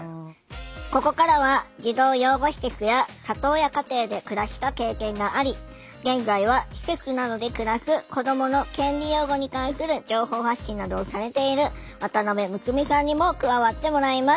ここからは児童養護施設や里親家庭で暮らした経験があり現在は施設などで暮らす子どもの権利擁護に関する情報発信などをされている渡辺睦美さんにも加わってもらいます。